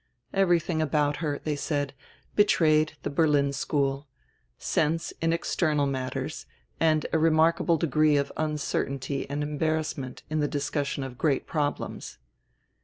Everything about her, they said, betrayed the Berlin school, — sense in external nratters and a remarkable degree of uncertainty and embarrassment in the discussion of great problems.